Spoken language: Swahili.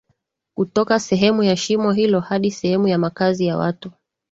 kutoka sehemu ya shimo hilo hadi sehemu ya makazi ya watu